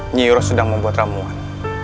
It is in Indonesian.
nyiro sudah membuat ramuan